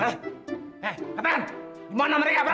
eh apaan dimana mereka berada